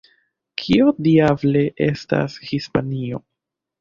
Kio diable estas Hispanio?